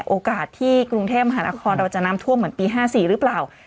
โอกาสที่กรุงเทพมหานครเราจะน้ำท่วมเหมือนปี๕๔หรือเปล่า